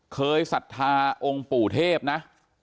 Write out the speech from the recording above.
เคยสัตว์ทาองค์ปู่เทพนะ